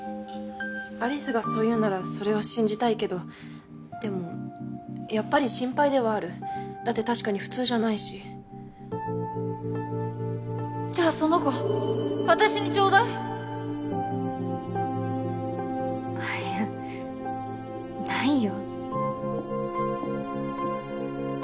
有栖がそう言うならそれを信じたいけどでもやっぱり心配ではあるだって確かに普通じゃないしじゃあその子私にちょうだいあっいやないよ